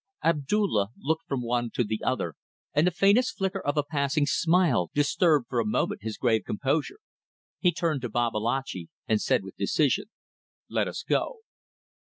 Abdulla looked from one to the other, and the faintest flicker of a passing smile disturbed for a moment his grave composure. He turned to Babalatchi, and said with decision "Let us go."